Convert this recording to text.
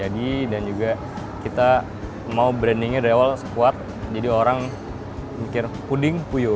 dan juga kita mau brandingnya dari awal sekuat jadi orang mikir puding puyo